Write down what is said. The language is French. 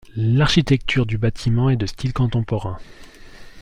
L'architecture du bâtiment est de style contemporain.